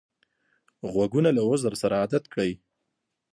غوږونه له عذر سره عادت کړی